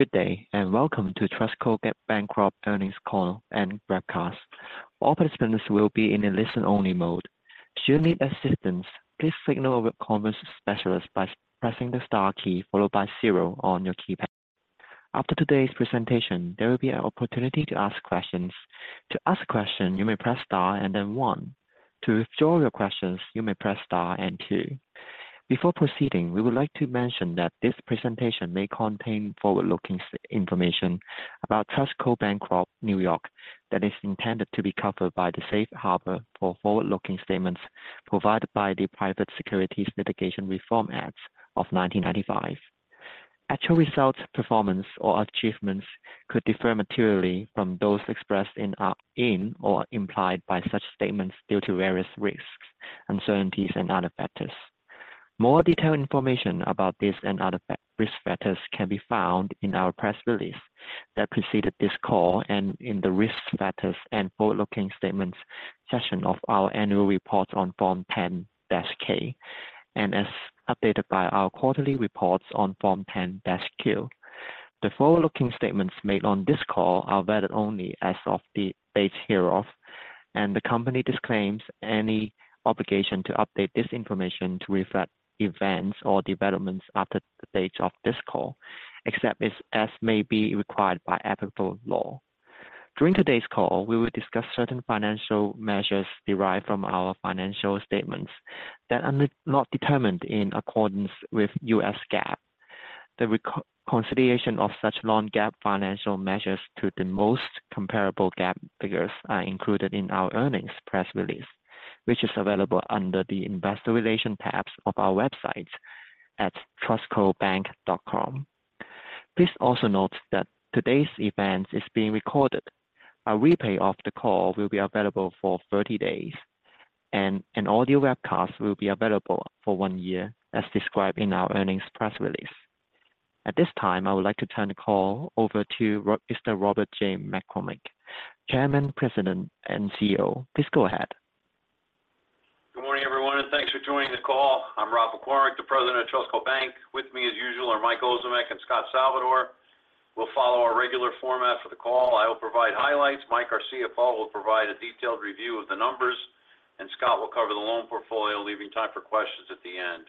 Good day, welcome to TrustCo Bankcorp Earnings Call and Webcast. All participants will be in a listen-only mode. Should you need assistance, please signal our conference specialist by pressing the star key followed by zero on your keypad. After today's presentation, there will be an opportunity to ask questions. To ask a question, you may press star and then one. To withdraw your questions, you may press star and two. Before proceeding, we would like to mention that this presentation may contain forward-looking information about TrustCo Bankcorp, New York, that is intended to be covered by the safe harbor for forward-looking statements provided by the Private Securities Litigation Reform Act of 1995. Actual results, performance, or achievements could differ materially from those expressed in or implied by such statements due to various risks, uncertainties, and other factors. More detailed information about this and other risk factors can be found in our press release that preceded this call and in the risk factors and forward-looking statements section of our annual report on Form 10-K, as updated by our quarterly reports on Form 10-Q. The forward-looking statements made on this call are valid only as of the date hereof. The company disclaims any obligation to update this information to reflect events or developments after the date of this call, except as may be required by applicable law. During today's call, we will discuss certain financial measures derived from our financial statements that are not determined in accordance with U.S. GAAP. The consolidation of such non-GAAP financial measures to the most comparable GAAP figures are included in our earnings press release, which is available under the Investor Relations tab of our website at trustcobank.com. Please also note that today's event is being recorded. A replay of the call will be available for 30 days, and an audio webcast will be available for one year, as described in our earnings press release. At this time, I would like to turn the call over to Mr. Robert J. McCormick, Chairman, President, and CEO. Please go ahead. Good morning, everyone, and thanks for joining the call. I'm Rob McCormick, the President of Trustco Bank. With me, as usual, are Mike Ozimek and Scot Salvador. We'll follow our regular format for the call. I will provide highlights, Mike Ozimek will provide a detailed review of the numbers, and Scot will cover the loan portfolio, leaving time for questions at the end.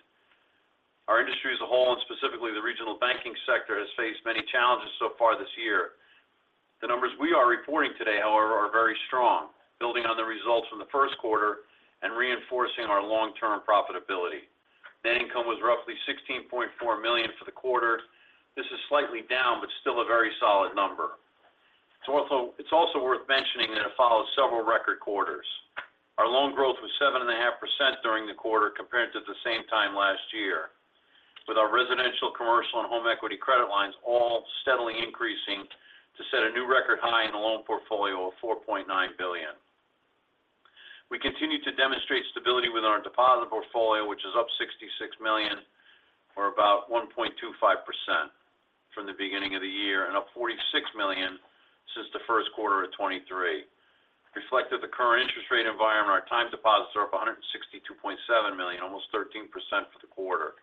Our industry as a whole, and specifically the regional banking sector, has faced many challenges so far this year. The numbers we are reporting today, however, are very strong, building on the results from the Q1 and reinforcing our long-term profitability. Net income was roughly $16.4 million for the quarter. This is slightly down, but still a very solid number. It's also worth mentioning that it follows several record quarters. Our loan growth was 7.5% during the quarter, compared to the same time last year, with our residential, commercial, and home equity credit lines all steadily increasing to set a new record high in the loan portfolio of $4.9 billion. We continue to demonstrate stability with our deposit portfolio, which is up $66 million, or about 1.25% from the beginning of the year, and up $46 million since the first Q1 of 2023. Reflecting the current interest rate environment, our time deposits are up $162.7 million, almost 13% for the quarter.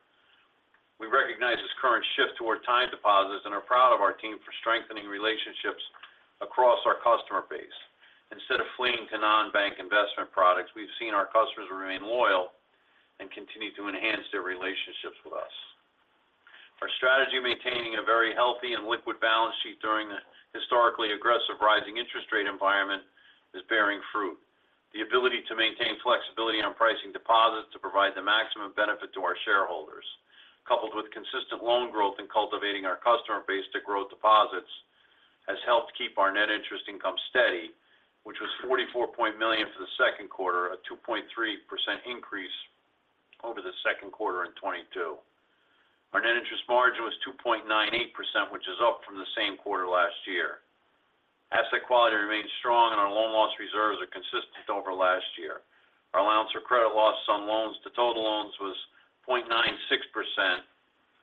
We recognize this current shift toward time deposits and are proud of our team for strengthening relationships across our customer base. Instead of fleeing to non-bank investment products, we've seen our customers remain loyal and continue to enhance their relationships with us. Our strategy of maintaining a very healthy and liquid balance sheet during the historically aggressive rising interest rate environment is bearing fruit. The ability to maintain flexibility on pricing deposits to provide the maximum benefit to our shareholders, coupled with consistent loan growth and cultivating our customer base to grow deposits, has helped keep our net interest income steady, which was $44 million for the Q2, a 2.3% increase over the Q2 in 2022. Our net interest margin was 2.98%, which is up from the same quarter last year. Asset quality remains strong, and our loan loss reserves are consistent over last year. Our allowance for credit losses on loans to total loans was 0.96%,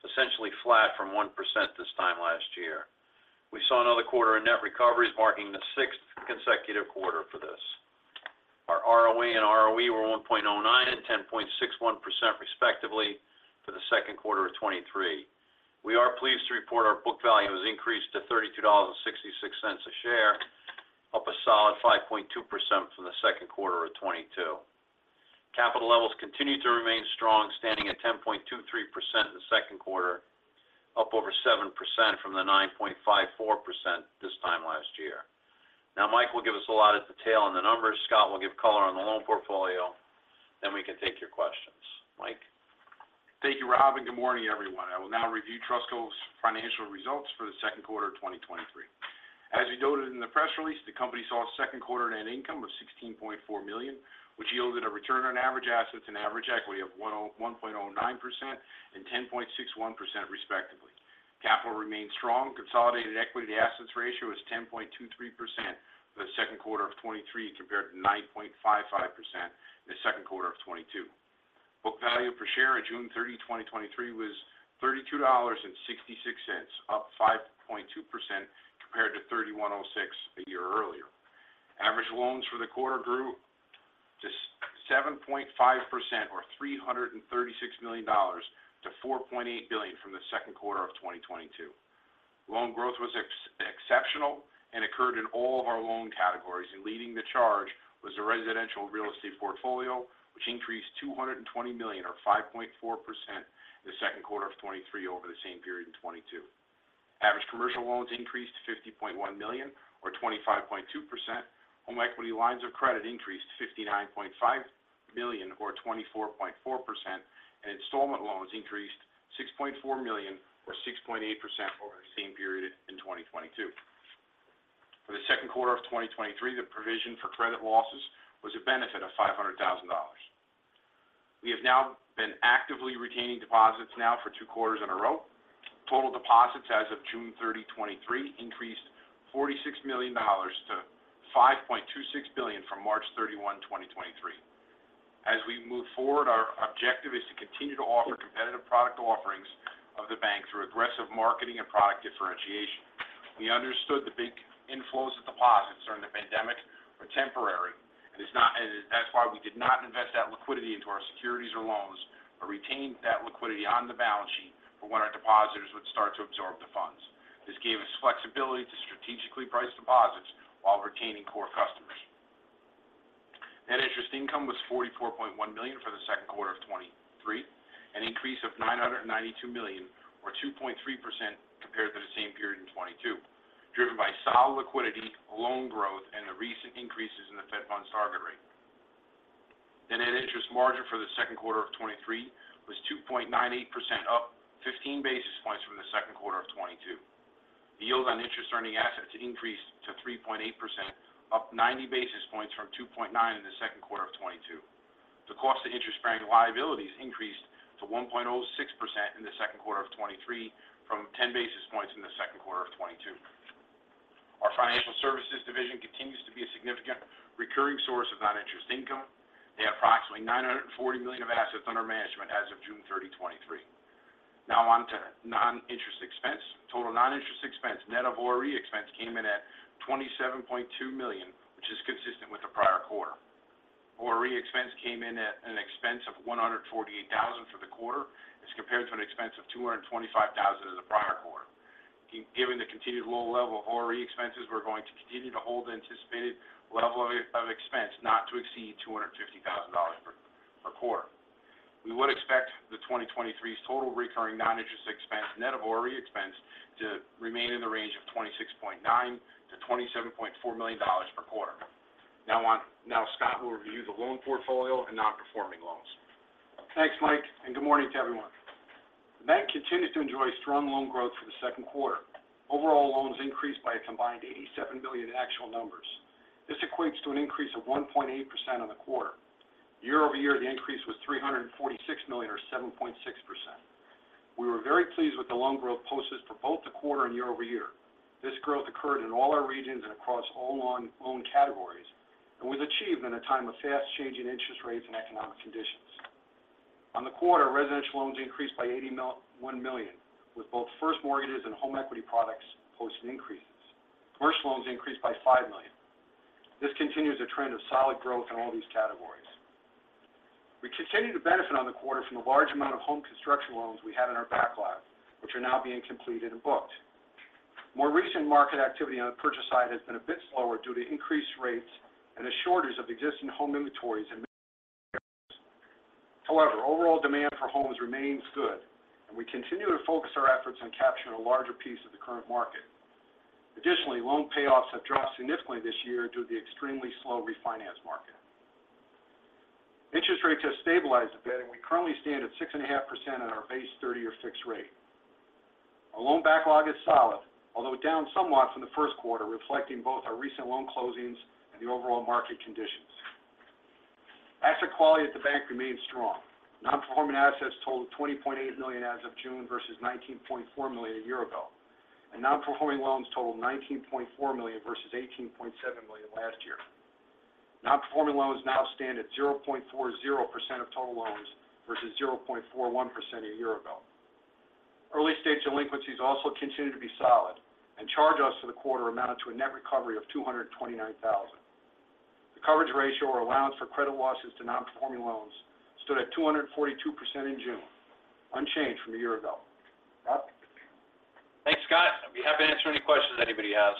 essentially flat from 1% this time last year. We saw another quarter in net recoveries, marking the sixth consecutive quarter for this. Our ROA and ROE were 1.09% and 10.61% respectively for the Q2 of 2023. We are pleased to report our book value has increased to $32.66 a share, up a solid 5.2% from the Q2 of 2022. Capital levels continue to remain strong, standing at 10.23% in the Q2, up over 7% from the 9.54% this time last year. Mike Ozimek will give us a lot of detail on the numbers. Scot Salvador will give color on the loan portfolio, we can take your questions. Mike Ozimek? Thank you, Rob, and good morning, everyone. I will now review TrustCo's financial results for the Q2 of 2023. As we noted in the press release, the company saw a Q2 net income of $16.4 million, which yielded a return on average assets and average equity of 1.09% and 10.61%, respectively. Capital remains strong. Consolidated equity to assets ratio is 10.23% for the Q2 of 2923, compared to 9.55% in the Q2 of 2022. Book value per share on June 30, 2023 was $32.66, up 5.2% from $31.06 a year earlier. Average loans for the quarter grew to 7.5% or $336 million-$4.8 billion from the Q2 of 2022. Loan growth was exceptional and occurred in all of our loan categories, and leading the charge was the residential real estate portfolio, which increased $220 million or 5.4% in the Q2 of 2023 over the same period in 2022. Average commercial loans increased to $50.1 million or 25.2%. Home equity lines of credit increased to $59.5 million or 24.4%, and installment loans increased $6.4 million or 6.8% over the same period in 2022. For the Q2 of 2023, the provision for credit losses was a benefit of $500,000. We have now been actively retaining deposits now for two quarters in a row. Total deposits as of June 30, 2023, increased $46 million to $5.26 billion from March 31, 2023. As we move forward, our objective is to continue to offer competitive product offerings of the bank through aggressive marketing and product differentiation. We understood the big inflows of deposits during the pandemic were temporary, and that's why we did not invest that liquidity into our securities or loans, but retained that liquidity on the balance sheet for when our depositors would start to absorb the funds. This gave us flexibility to strategically price deposits while retaining core customers. Net interest income was $44.1 million for the Q2 of 2023, an increase of $992 million or 2.3% compared to the same period in 2022, driven by solid liquidity, loan growth, and the recent increases in the Fed funds target rate. The net interest margin for the Q2 of 2023 was 2.98%, up 15 basis points from the Q2 of 2022. The yield on interest-earning assets increased to 3.8%, up 90 basis points from 2.9% in the Q2 of 2022. The cost of interest-bearing liabilities increased to 1.06% in the Q2 of 2023 from 10 basis points in the Q2 of 2022. Our financial services division continues to be a significant recurring source of non-interest income. They have approximately $940 million of assets under management as of June 30, 2023. On to non-interest expense. Total non-interest expense, net of ORE expense, came in at $27.2 million, which is consistent with the prior quarter. ORE expense came in at an expense of $148,000 for the quarter, as compared to an expense of $225,000 in the prior quarter. Giving the continued low level of ORE expenses, we're going to continue to hold the anticipated level of expense not to exceed $250,000 per quarter. We would expect the 2023's total recurring non-interest expense, net of ORE expense, to remain in the range of $26.9 million-$27.4 million per quarter. On... Now, Scot will review the loan portfolio and non-performing loans. Thanks, Mike. Good morning to everyone. The bank continued to enjoy strong loan growth for the Q2. Overall, loans increased by a combined $87 million in actual numbers. This equates to an increase of 1.8% on the quarter. Year-over-year, the increase was $346 million, or 7.6%. We were very pleased with the loan growth posted for both the quarter and year-over-year. This growth occurred in all our regions and across all loan categories and was achieved in a time of fast-changing interest rates and economic conditions. On the quarter, residential loans increased by $81 million, with both first mortgages and home equity products posting increases. Commercial loans increased by $5 million. This continues a trend of solid growth in all these categories. We continued to benefit on the quarter from the large amount of home construction loans we have in our backlog, which are now being completed and booked. More recent market activity on the purchase side has been a bit slower due to increased rates and a shortage of existing home inventories in many areas. However, overall demand for homes remains good, and we continue to focus our efforts on capturing a larger piece of the current market. Additionally, loan payoffs have dropped significantly this year due to the extremely slow refinance market. Interest rates have stabilized a bit, and we currently stand at 6.5% on our base 30-year fixed rate. Our loan backlog is solid, although down somewhat from the Q1, reflecting both our recent loan closings and the overall market conditions. Asset quality at the bank remains strong. Non-performing assets totaled $20.8 million as of June versus $19.4 million a year ago. Non-performing loans totaled $19.4 million versus $18.7 million last year. Non-performing loans now stand at 0.40% of total loans versus 0.41% a year ago. Early-stage delinquencies also continue to be solid. Charge-offs for the quarter amounted to a net recovery of $229,000. The coverage ratio, or allowance for credit losses to non-performing loans, stood at 242% in June, unchanged from a year ago. Rob? Thanks, Scot. I'd be happy to answer any questions anybody has.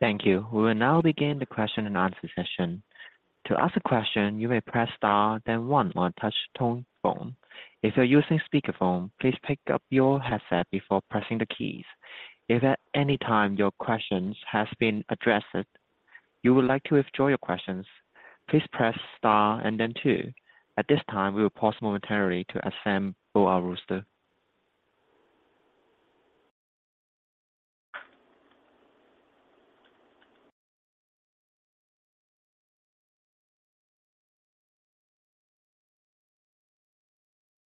Thank you. We will now begin the question and answer session. To ask a question, you may press star then one on a touch tone phone. If you're using speakerphone, please pick up your headset before pressing the keys. If at any time your questions has been addressed, you would like to withdraw your questions, please press star and then two. At this time, we will pause momentarily to assemble our roster.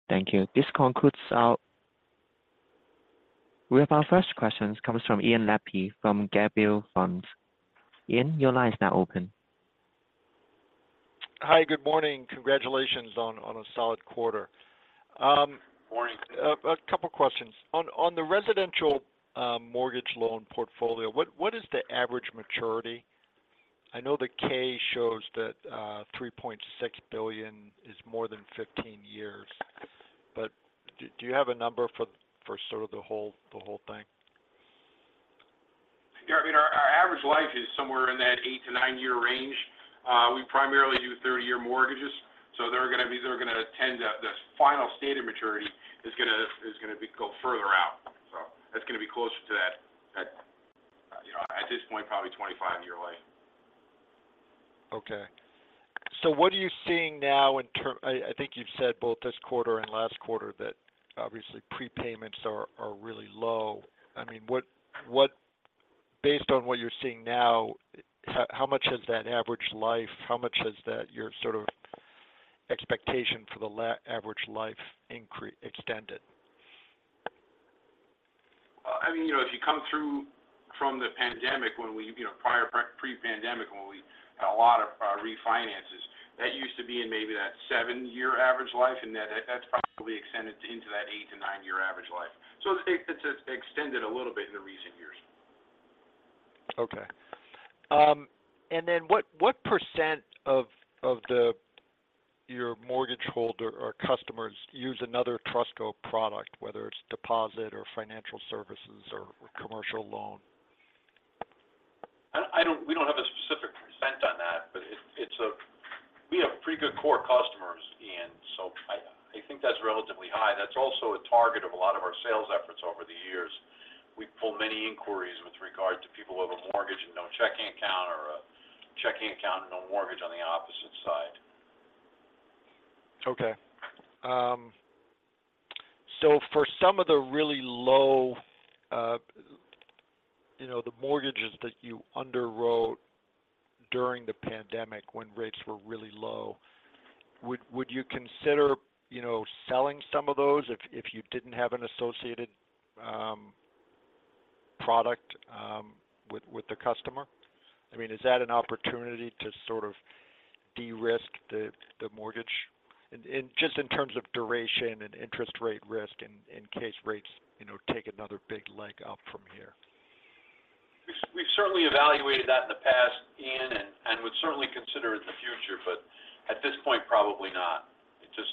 Thank you. This concludes our... We have our first question comes from Ian Lapey from Gabelli Funds. Ian, your line is now open. Hi, good morning. Congratulations on a solid quarter. Morning. A couple questions. On the residential mortgage loan portfolio, what is the average maturity? I know the K shows that $3.6 billion is more than 15 years, do you have a number for sort of the whole thing? Yeah, I mean, our average life is somewhere in that eight year-nine-year range. We primarily do 30-year mortgages, so they're gonna attend that. The final state of maturity is gonna be go further out. That's gonna be closer to that, you know, at this point, probably 25-year life. Okay. What are you seeing now in term, I think you've said both this quarter and last quarter that obviously prepayments are really low. I mean, what based on what you're seeing now, how much has that average life, how much has that, your sort of expectation for the average life increase extended? I mean, you know, if you come through from the pandemic, when we, you know, pre-pandemic, when we had a lot of refinances, that used to be in maybe that seven-year average life, and that's probably extended into that eight-year-nine-year average life. It's extended a little bit in the recent years. Okay. Then what % of your mortgage holder or customers use another TrustCo product, whether it's deposit, or financial services, or commercial loan? We don't have a specific percent on that, but we have pretty good core customers, Ian, so I think that's relatively high. That's also a target of a lot of our sales efforts over the years. We pull many inquiries with regard to people who have a mortgage and no checking account, or a checking account and no mortgage on the opposite side. Okay. For some of the really low, you know, the mortgages that you underwrote during the pandemic when rates were really low, would you consider, you know, selling some of those if you didn't have an associated product with the customer? I mean, is that an opportunity to sort of de-risk the mortgage? Just in terms of duration and interest rate risk and in case rates, you know, take another big leg up from here? We've certainly evaluated that in the past, Ian, and would certainly consider it in the future, but at this point, probably not. It just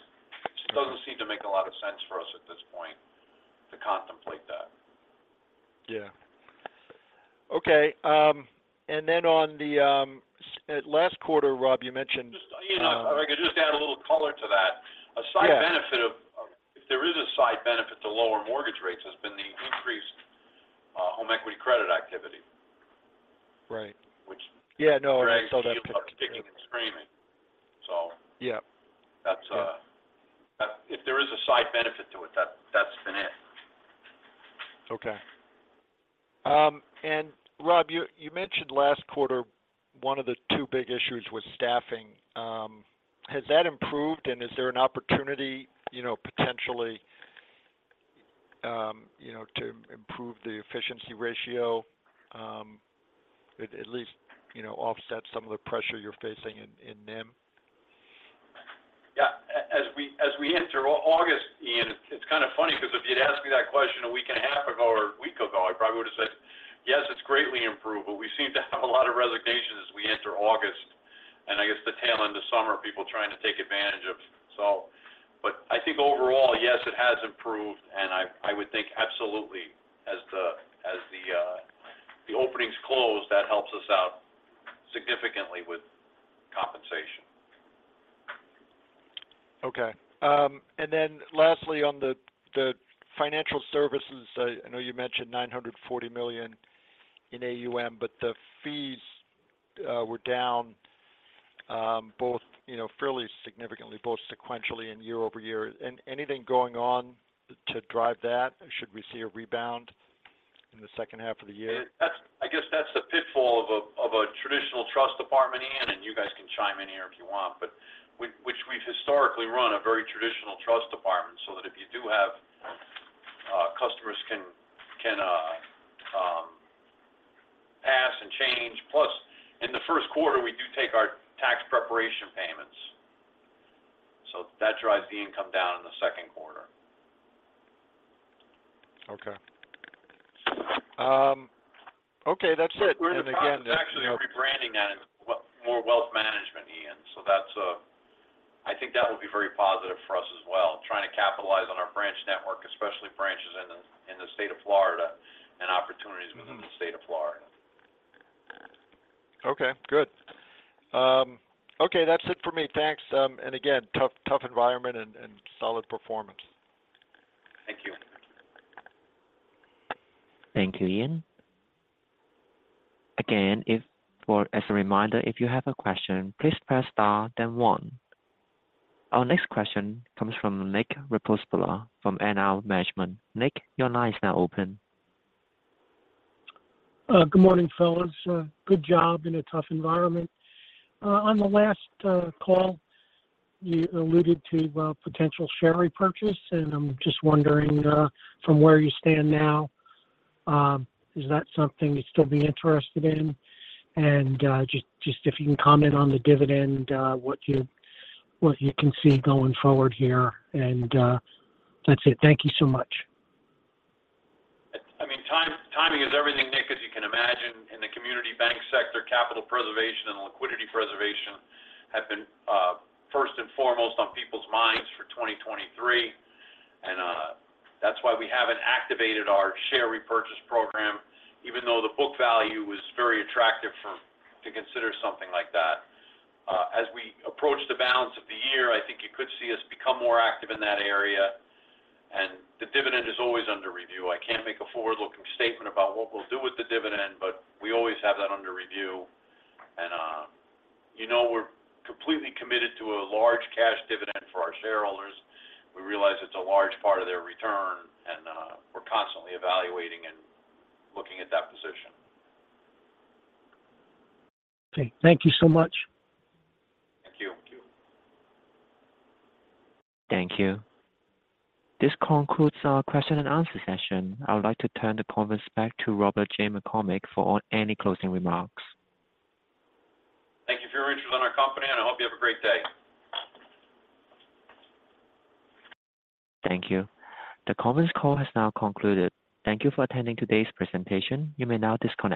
doesn't seem to make a lot of sense for us at this point to contemplate that. Yeah. Okay, then on the last quarter, Rob, you mentioned. Just, Ian, if I could just add a little color to that. Yeah. If there is a side benefit to lower mortgage rates, has been the increased, home equity credit activity. Right. Which- Yeah, no, I saw that. Kicking and screaming. Yeah. That's if there is a side benefit to it, that's been it. Okay. Rob, you mentioned last quarter, one of the two big issues was staffing. Has that improved and is there an opportunity, you know, potentially, you know, to improve the efficiency ratio, at least, you know, offset some of the pressure you're facing in NIM? As we enter August, Ian, it's kind of funny because if you'd asked me that question a week and a 1/2 ago or a week ago, I probably would have said, "Yes, it's greatly improved," but we seem to have a lot of resignations as we enter August. I guess the tail end of summer, people trying to take advantage of. I think overall, yes, it has improved, and I would think absolutely as the openings close, that helps us out significantly with compensation. Okay. Lastly, on the financial services, I know you mentioned $940 million in AUM, but the fees, were down, both, you know, fairly significantly, both sequentially and year-over-year. Anything going on to drive that? Should we see a rebound in the H2 of the year? That's I guess that's the pitfall of a traditional trust department, Ian, and you guys can chime in here if you want. Which we've historically run a very traditional trust department, so that if you do have customers can pass and change. Plus, in the Q1, we do take our tax preparation payments, so that drives the income down in the Q2. Okay. okay, that's it. We're actually rebranding that as well, more wealth management, Ian. That's I think that will be very positive for us as well, trying to capitalize on our branch network, especially branches in the, in the state of Florida and opportunities. Mm-hmm... within the state of Florida. Okay, good. Okay, that's it for me. Thanks. Again, tough environment and solid performance. Thank you. Thank you, Ian. As a reminder, if you have a question, please press Star, then One. Our next question comes from Nick Ripostella from NR Management. Nick, your line is now open. Good morning, fellas. Good job in a tough environment. On the last call, you alluded to a potential share repurchase, and I'm just wondering, from where you stand now, is that something you'd still be interested in? Just if you can comment on the dividend, what you can see going forward here. That's it. Thank you so much. I mean, timing is everything, Nick. As you can imagine, in the community bank sector, capital preservation and liquidity preservation have been first and foremost on people's minds for 2023, that's why we haven't activated our share repurchase program, even though the book value was very attractive to consider something like that. As we approach the balance of the year, I think you could see us become more active in that area, the dividend is always under review. I can't make a forward-looking statement about what we'll do with the dividend, we always have that under review. You know, we're completely committed to a large cash dividend for our shareholders. We realize it's a large part of their return, we're constantly evaluating and looking at that position. Okay. Thank you so much. Thank you. Thank you. This concludes our question and answer session. I would like to turn the conference back to Rob McCormick for on any closing remarks. Thank you for your interest in our company and I hope you have a great day. Thank you. The conference call has now concluded. Thank you for attending today's presentation. You may now disconnect.